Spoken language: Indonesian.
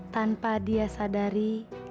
tanpa dia sadari